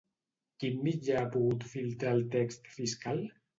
Quin mitjà ha pogut filtrar el text fiscal?